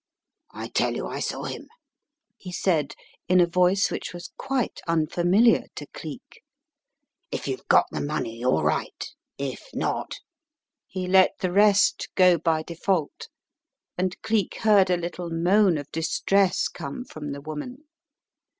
"I tell you I saw him," he said in a voice which was quite unfamiliar to Cleek. "If you've got the money, all right, if not " He let the rest go by default, and Cleek heard a little moan of distress come from the woman.